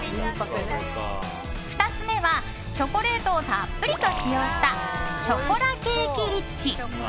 ２つ目は、チョコレートをたっぷりと使用したショコラケーキリッチ。